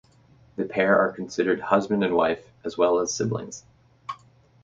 The pair are considered husband and wife as well as siblings.